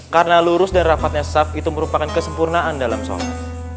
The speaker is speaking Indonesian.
karena lurus dan rapatnya saf itu merupakan kesempurnaan dalam sholat